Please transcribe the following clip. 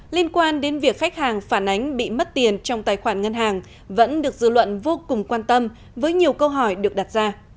liên quan đến việc khách hàng phản ánh bị mất tiền trong tài khoản ngân hàng vẫn được dư luận vô cùng quan tâm với nhiều câu hỏi được đặt ra